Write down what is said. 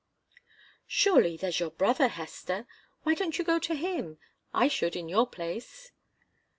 "Surely there's your brother, Hester. Why don't you go to him? I should, in your place."